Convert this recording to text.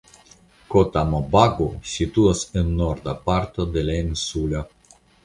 Kotamobagu situas en norda parto de la insulo.